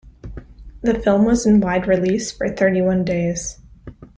The film was in wide release for thirty-one days.